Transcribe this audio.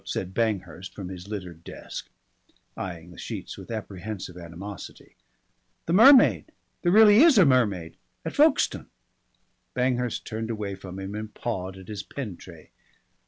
said Banghurst from his littered desk, eyeing the sheets with apprehensive animosity. "The mermaid there really is a mermaid. At Folkestone." Banghurst turned away from him and pawed at his pen tray.